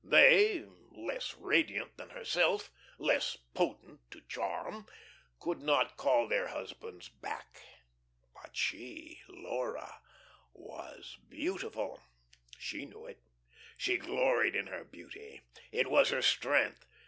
They, less radiant than herself, less potent to charm, could not call their husbands back. But she, Laura, was beautiful; she knew it; she gloried in her beauty. It was her strength.